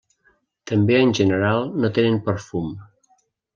També en general no tenen perfum.